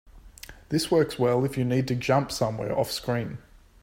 This works well if you need to jump somewhere offscreen.